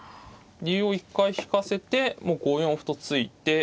竜を一回引かせてもう５四歩と突いて。